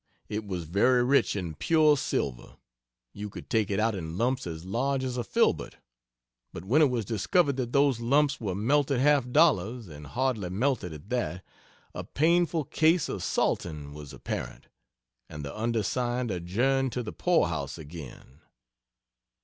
It was very rich in pure silver. You could take it out in lumps as large as a filbert. But when it was discovered that those lumps were melted half dollars, and hardly melted at that, a painful case of "salting" was apparent, and the undersigned adjourned to the poorhouse again.